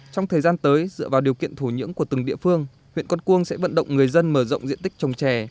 trong thời gian tới dựa vào điều kiện thổ nhưỡng của từng địa phương huyện con cuông sẽ vận động người dân mở rộng diện tích trồng trè